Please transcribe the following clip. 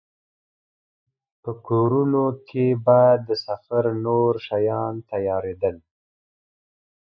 په کورونو کې به د سفر نور شیان تيارېدل.